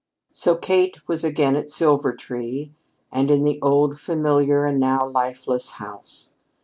So Kate was again at Silvertree and in the old, familiar and now lifeless house.